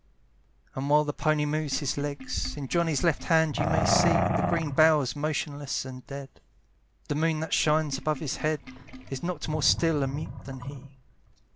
And while the pony moves his legs, In Johnny's left hand you may see, The green bough's motionless and dead; The moon that shines above his head Is not more still and mute than he.